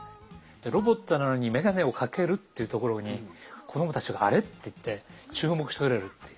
でロボットなのに眼鏡をかけるっていうところに子どもたちが「あれ？」って言って注目してくれるっていう。